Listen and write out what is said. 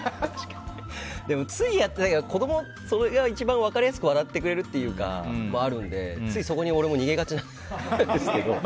でも子供って一番分かりやすく笑ってくれるというかそういうのはあるのでつい、そこに俺も逃げがちなんですけど。